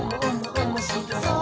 おもしろそう！」